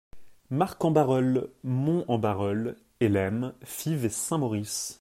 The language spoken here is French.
Marcq-en-Baroeul, Mons-en-Baroeul, Hellemmes, Fives et St-Maurice.